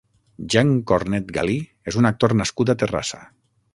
Jan Cornet Galí és un actor nascut a Terrassa.